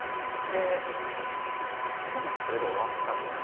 でそのときはそれで終わったんです。